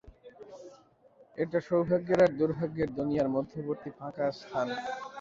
এটা সৌভাগ্যের আর দুর্ভাগ্যের দুনিয়ার মধ্যবর্তী ফাঁকা স্থান।